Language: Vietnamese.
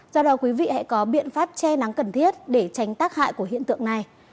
do đó quý vị hãy có biện pháp che nắng cần thiết để tránh tác hại của hiện tượng này